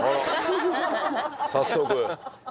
早速。